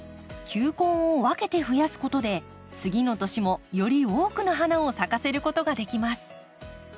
球根を分けて増やすことで次の年もより多くの花を咲かせることができます。